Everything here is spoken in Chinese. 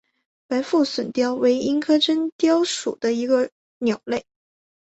白腹隼雕为鹰科真雕属的鸟类。